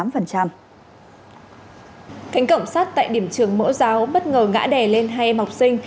cánh cẩm sát tại điểm trường mỡ giáo bất ngờ ngã đè lên hai em học sinh